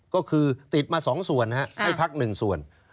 ก็คือติดมา๒ส่วนให้พัก๑ส่วน